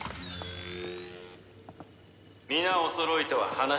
「皆おそろいとは話が早い」